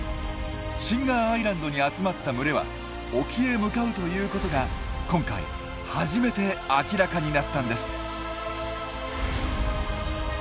シンガーアイランドに集まった群れは沖へ向かうということが今回初めて明らかになったんです！